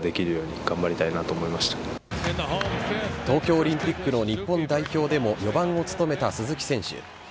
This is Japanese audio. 東京オリンピックの日本代表でも４番を務めた鈴木選手